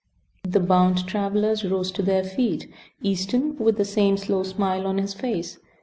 The bound travelers rose to their feet, Easton with the same slow smile on his face.